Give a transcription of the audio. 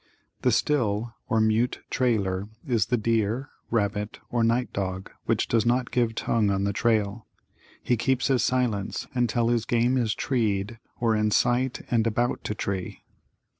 The still or mute trailer is the deer, rabbit or night dog which does not give tongue on the trail. He keeps his silence, until his game is treed or in sight and about to tree.